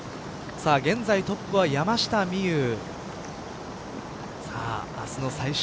現在トップは山下美夢有。